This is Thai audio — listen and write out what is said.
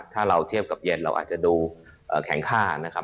ถ้าเราเทียบกับเย็นเราอาจจะดูแข็งค่านะครับ